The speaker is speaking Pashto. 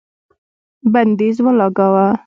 بندیز ولګاوه